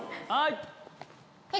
はい。